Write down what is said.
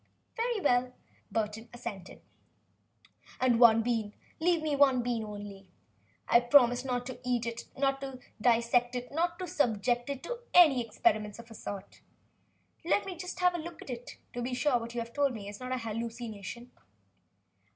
"Very well," Burton assented. "And one bean?" the professor begged. "Leave me one bean only? I promise not to eat it, not to dissect it, not to subject it to experiments of any sort. Let me just have it to look at, to be sure that what you have told me is not an hallucination."